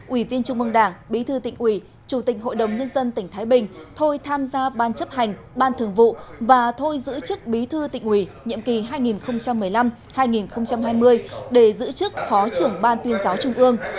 ủy viên trung mương đảng bí thư tỉnh ủy chủ tịch hội đồng nhân dân tỉnh thái bình thôi tham gia ban chấp hành ban thường vụ và thôi giữ chức bí thư tỉnh ủy nhiệm kỳ hai nghìn một mươi năm hai nghìn hai mươi để giữ chức phó trưởng ban tuyên giáo trung ương